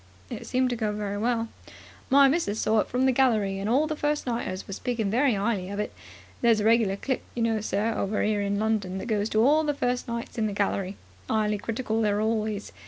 "It seemed to go very well." "My Missus saw it from the gallery, and all the first nighters was speaking very 'ighly of it. There's a regular click, you know, sir, over here in London, that goes to all the first nights in the gallery. 'Ighly critical they are always.